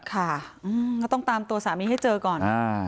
ค่ะอืมเราต้องตามตัวสามีให้เจอก่อนอ่า